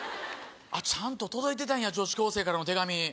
ちゃんと届いてたんや女子高生からの手紙。